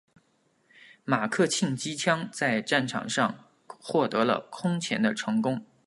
马克沁机枪在战场上获得了空前的成功。